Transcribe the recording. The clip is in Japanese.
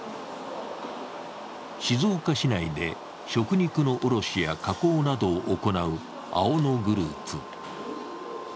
静岡市内で食肉の卸や加工などを行うアオノグループ。